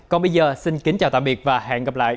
còn bây giờ xin kính chào tạm biệt và hẹn gặp lại